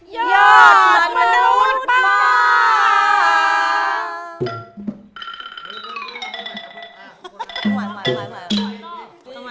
ยอดมนุษย์ป้า